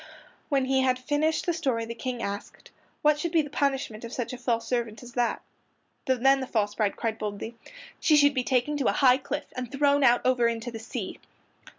When he had finished the story the King asked, "What should be the punishment of such a false servant as that?" Then the false bride cried boldly, "She should be taken to a high cliff and thrown over into the sea."